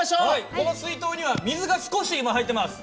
この水筒には水が少し今入ってます。